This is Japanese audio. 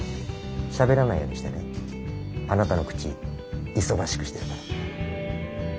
しゃべらないようにしてねあなたの口忙しくしてるから。